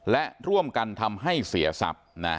และร่วมกันทำให้เสียทรัพย์